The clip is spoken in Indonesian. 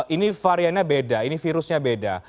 ini variannya beda ini virusnya beda